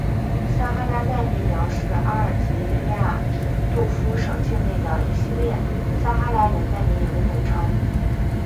撒哈拉难民营是阿尔及利亚廷杜夫省境内的一系列撒哈拉人难民营的总称。